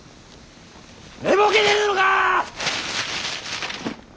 寝ぼけてるのか！